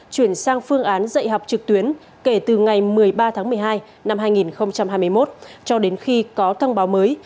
chuyển sang phương án dạy học trực tuyến kể từ ngày một mươi ba tháng một mươi hai năm hai nghìn hai mươi một cho đến khi có thông báo mới